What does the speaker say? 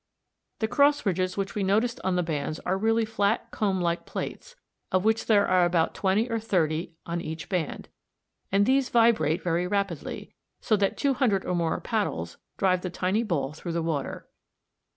The cross ridges which we noticed on the bands are really flat comb like plates (p, Fig. 71), of which there are about twenty or thirty on each band; and these vibrate very rapidly, so that two hundred or more paddles drive the tiny ball through the water.